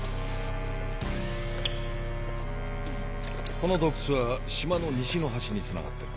この洞窟は島の西の端につながってる。